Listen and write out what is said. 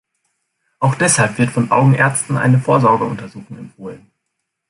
Auch deshalb wird von Augenärzten eine Vorsorgeuntersuchung empfohlen.